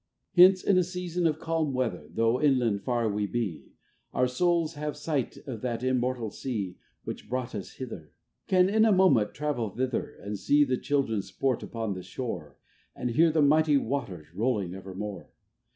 Hence in a season of calm weather Though inland far we be, Our Souls have sight of that immortal sea Which brought us hither, Can in a moment travel thither, And see the Children sport upon the shore, And hear the mighty waters rolling evermore. ODE.